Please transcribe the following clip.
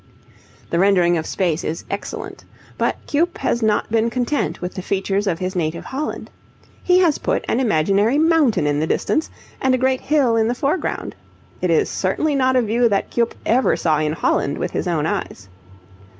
The rendering of space is excellent. But Cuyp has not been content with the features of his native Holland. He has put an imaginary mountain in the distance and a great hill in the foreground. It is certainly not a view that Cuyp ever saw in Holland with his own eyes.